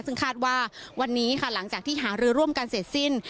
ซึ่งคาดว่าวันนี้ค่ะหลังจากที่หารือร่วมกันเสร็จสิ้น